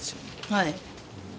はい。